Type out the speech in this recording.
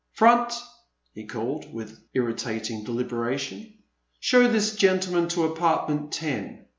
Front!" he called with irritating delibera tion, "show this gentleman to apartment ten."